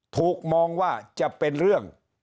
ถูกมองว่าจะเป็นเรื่อง